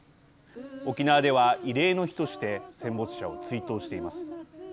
沖縄では慰霊の日として戦没者を追悼しています。